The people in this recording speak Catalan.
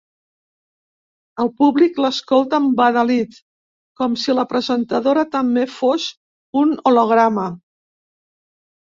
El públic l'escolta embadalit, com si la presentadora també fos un holograma.